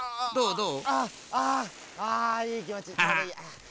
どう？